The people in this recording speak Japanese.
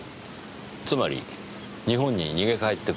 つまり日本に逃げ帰ってくると。